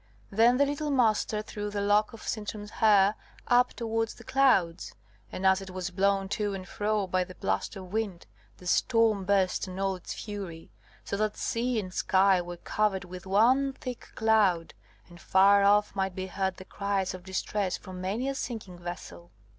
Then the little Master threw the lock of Sintram's hair up towards the clouds, and, as it was blown to and fro by the blast of wind, the storm burst in all its fury, so that sea and sky were covered with one thick cloud, and far off might be heard the cries of distress from many a sinking vessel.